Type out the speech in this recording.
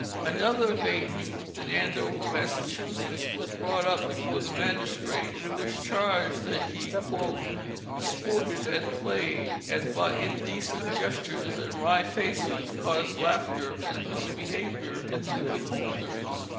Another vain youth in Andover, Massachusetts, was brought up before the magistrate, and it was charged that he "sported and played, and by Indecent gestures and wry faces caused laughter and misbehavior in the beholders."